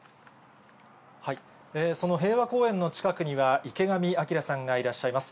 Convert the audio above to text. その平和公園の近くには池上彰さんがいらっしゃいます。